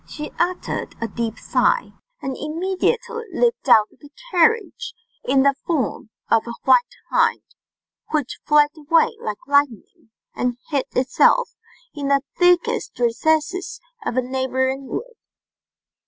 She uttered a deep sigh, and immediately leaped out of the carriage in the form of a white hind, which fled away like lightning, and hid itself in the thickest recesses of a neighbouring wood.